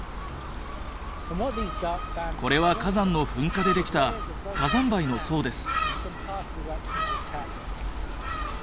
これは火山の噴火でできた火山灰の層です。